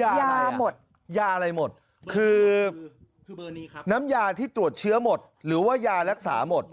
ยายาหมดยาอะไรหมดคือน้ำยาที่ตรวจเชื้อหมดหรือว่ายารักษาหมด